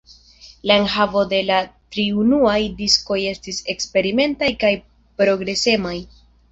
La enhavo de la tri unuaj diskoj estis eksperimentaj kaj progresemaj.